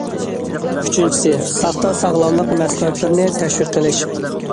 ئۈچىنچىسى، ساختا ساغلاملىق مەھسۇلاتلىرىنى تەشۋىق قىلىش.